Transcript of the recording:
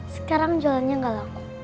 sekarang jualannya enggak laku